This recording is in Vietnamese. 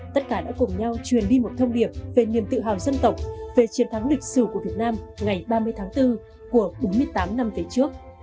tất cả đã cùng nhau truyền đi một thông điệp về niềm tự hào dân tộc về chiến thắng lịch sử của việt nam ngày ba mươi tháng bốn của bốn mươi tám năm về trước